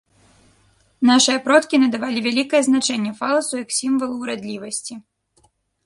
Нашыя продкі надавалі вялікае значэнне фаласу як сімвалу ўрадлівасці.